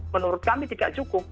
menurut kami tidak cukup